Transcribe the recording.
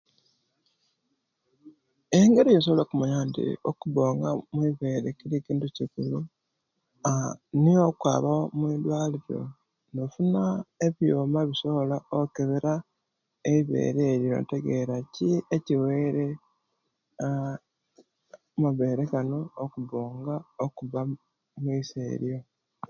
Era kituufu, zeena naabire okwisomero; nayee obunayabire okwisomero, eera mbula mulimu, nayee kyenkola owaika, nga nviire omukosoma, nnn aaa, nsobola (okwogera) omubantu, nsobola o'kola ebizinesi, nsobola (kwogera) nti okusoma kusa ino, ebiseera ebyo nabaire mbula essente, nayee (kati), nsobola okusomesia abaana bange, nayee gongona gazwiire mukusoma.